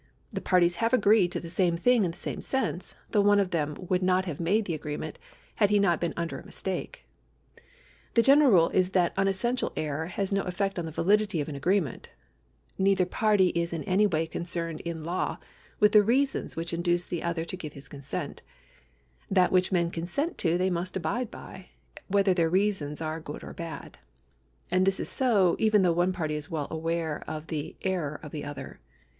The parties have agreed to the same thing in the same sense, though one of them would not have made the agreement had he not been under a mistake. The general rule is that unessential error has no effect on 1 Cimdy V. Lindsay, 3 A.C. 459 ; Raffles v. WkJidhaus, 2 H. & C. 906. 2 King V. Smith, (1900) 2 Cli. 425. § 124] TITLES 313 the validity of an agreement. Neither party is in any way concerned in law with the reasons which indnced the other to give his consent. That which men consent to they must abide by, whether their reasons are good or })ad. And this is so even though one party is well aware of the error of the other.